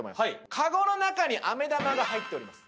カゴの中にアメ玉が入っております